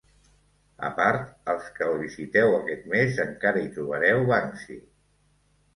A part, els qui el visiteu aquest mes, encara hi trobareu Banksy.